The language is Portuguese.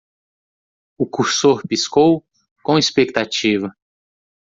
O cursor piscou? com expectativa.